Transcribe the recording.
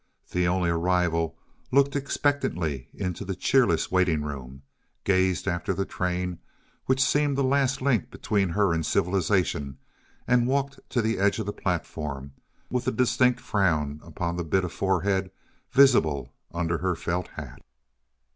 The only arrival looked expectantly into the cheerless waiting room, gazed after the train, which seemed the last link between her and civilization, and walked to the edge of the platform with a distinct frown upon the bit of forehead visible under her felt hat.